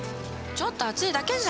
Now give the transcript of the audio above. ちょっと熱いだけじゃん！